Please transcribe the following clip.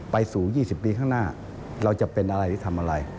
สูง๒๐ปีข้างหน้าเราจะเป็นอะไรหรือทำอะไร